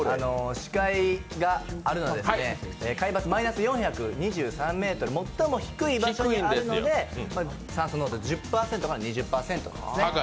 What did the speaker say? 死海があるのは海抜４２３ｍ最も低い場所にあるので、酸素濃度が１０％から２０％ですね。